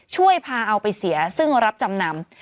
ช่วยพาเอาไปเสียซึ่งรับจำนำ